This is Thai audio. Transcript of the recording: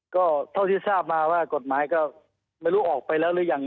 ก็เท่าที่ทราบมาว่ากฎหมายก็ไม่รู้ออกไปแล้วหรือยัง